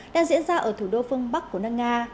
đang diễn ra ở thủ đô phương bắc của nước nga